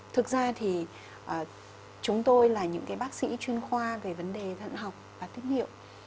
thực ra thì chúng tôi là những cái bác sĩ chuyên khoa về vấn đề thận học và tiết hiệu